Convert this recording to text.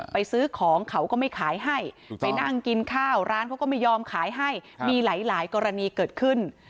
ซื้อของเขาก็ไม่ขายให้ไปนั่งกินข้าวร้านเขาก็ไม่ยอมขายให้มีหลายกรณีเกิดขึ้น